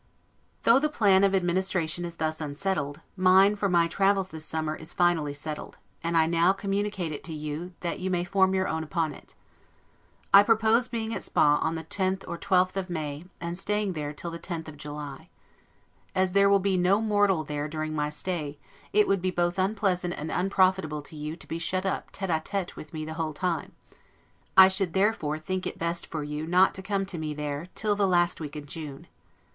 Though the plan of administration is thus unsettled, mine, for my travels this summer, is finally settled; and I now communicate it to you that you may form your own upon it. I propose being at Spa on the 10th or 12th of May, and staying there till the 10th of July. As there will be no mortal there during my stay, it would be both unpleasant and unprofitable to you to be shut up tete a fete with me the whole time; I should therefore think it best for you not to come to me there till the last week in June.